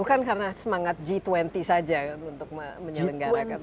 bukan karena semangat g dua puluh saja untuk menyelenggarakan